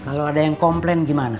kalau ada yang komplain gimana